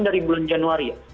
dari bulan januari ya